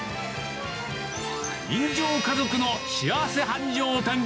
人情家族の幸せ繁盛店。